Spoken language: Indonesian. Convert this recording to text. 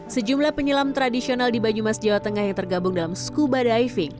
sejumlah penyelam tradisional di banyumas jawa tengah yang tergabung dalam skuba diving